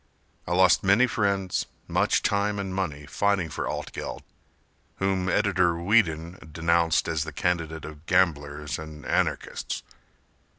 I lost many friends, much time and money Fighting for Altgeld whom Editor Whedon Denounced as the candidate of gamblers and anarchists.